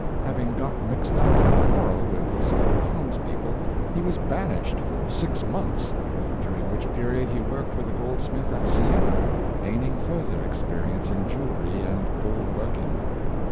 Having got mixed up in a quarrel with some of the towns people, he was banished for six months, during which period he worked with a goldsmith at Sienna, gaining further experience in jewelry and gold working.